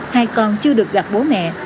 hai con chưa được gặp bố mẹ